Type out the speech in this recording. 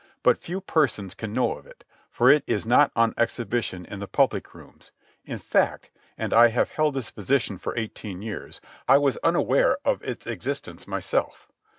But few persons can know of it, for it is not on exhibition in the public rooms. In fact, and I have held this position for eighteen years, I was unaware of its existence myself.